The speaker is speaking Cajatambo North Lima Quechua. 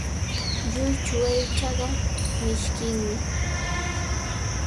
Lluychu aychaqa mishkinmi.